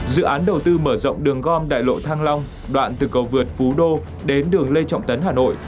dự án đầu tư mở rộng đường gom đại lộ thăng long đoạn từ cầu vượt phú đô đến đường lê trọng tấn hà nội